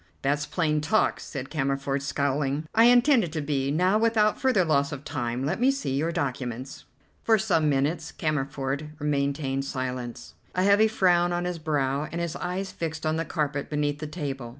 "That's plain talk," said Cammerford, scowling. "I intend it to be. Now, without further loss of time, let me see your documents." For some minutes Cammerford maintained silence, a heavy frown on his brow, and his eyes fixed on the carpet beneath the table.